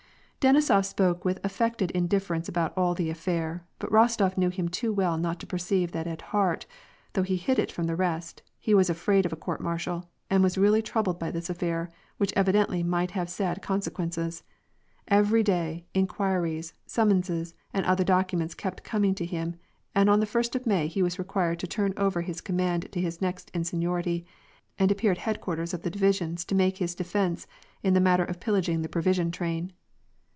Denisof spoke with affected indifference about all the affair; but Rostof knew him too well not to perceive that at heart — though he hid it from the rest — he was afraid of a court mar tial, and was really troubled by this affair, which evidently might have sad consequences. Every day, inquiries, sum monses, and other documents kept coming to him, and on the first of May he was required to turn over his command to his next in seniority, and appear at headquarters of the divisions to make his defence in the matter of pillaging the provision train.